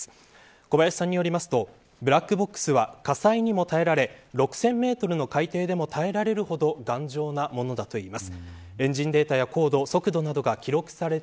小林さんによりますとブラックボックスは火災にも耐えられ６０００メートルの海底でも耐えれるほど頑丈なものだといいます。